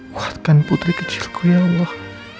bahkan putri kecilku ya allah